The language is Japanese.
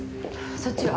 そっちは？